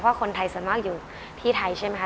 เพราะว่าคนไทยส่วนมากอยู่ที่ไทยใช่ไหมค่ะ